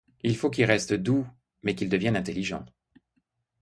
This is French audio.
Il faut qu'il reste doux, mais qu'il devienne intelligent.